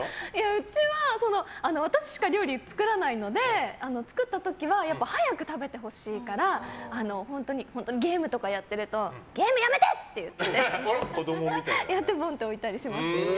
うちは、私しか料理作らないので作った時は早く食べてほしいからゲームとかやってるとゲームやめて！って言ってボンって置いたりします。